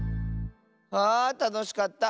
あたのしかった。